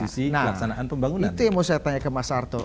jadi mau saya tanya ke mas arto